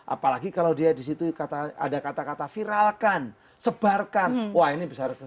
apalagi kalau dia disitu ada kata kata viralkan sebarkan wah ini bisa kebanyakan